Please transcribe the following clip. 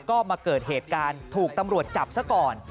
ก็มาเกิดเหตุการณ์ถูกตำรวจจับซะก่อน